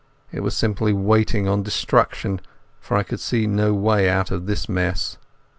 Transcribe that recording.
It was simply waiting on destruction, for I could see no way out of this mess.